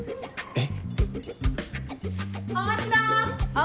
えっ？